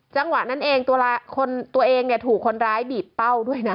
จังหวะนั้นเองตัวเองถูกคนร้ายบีบเป้าด้วยนะ